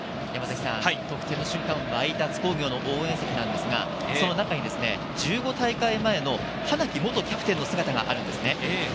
得点の瞬間に沸いた津工業の応援席ですが、その中に１５大会前の花木元キャプテンの姿があります。